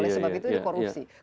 oleh sebab itu dikorupsi korupsi